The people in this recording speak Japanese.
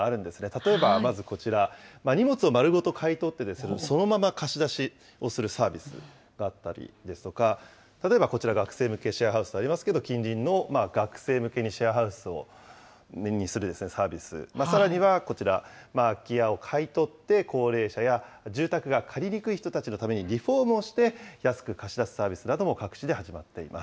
例えばまずこちら、荷物を丸ごと買い取って、そのまま貸し出しをするサービスだったりですとか、例えばこちら、学生向けシェアハウスとありますけれども、近隣の学生向けにシェアハウスにするサービス、さらにはこちら、空き家を買い取って高齢者や住宅が借りにくい人たちのためにリフォームをして安く貸し出すサービスなども各地で始まっています。